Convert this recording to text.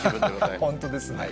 本当ですね。